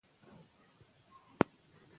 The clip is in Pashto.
دقت د حافظې مور دئ او علاقه د دقت مور ده.